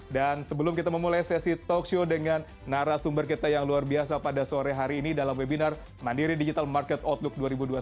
dan sebelum kita memulai sesi talkshow dengan narasumber kita yang luar biasa pada sore hari ini dalam webinar mandiri digital market outlook dua ribu dua puluh satu